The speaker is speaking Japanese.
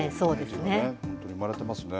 本当に生まれてますね。